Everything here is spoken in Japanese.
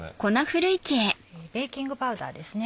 ベーキングパウダーですね。